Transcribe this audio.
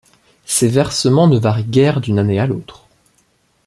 Ces versements ne varient guère d'une année à l'autre.